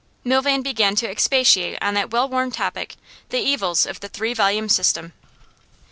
Milvain began to expatiate on that well worn topic, the evils of the three volume system.